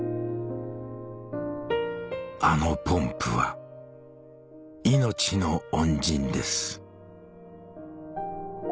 「あのポンプは命の恩人です」